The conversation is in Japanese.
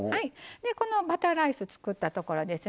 このバターライス作ったところですね。